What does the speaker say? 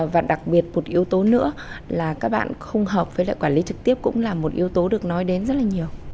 và đặc biệt một yếu tố nữa là các bạn không hợp với lại quản lý trực tiếp cũng là một yếu tố được nói đến rất là nhiều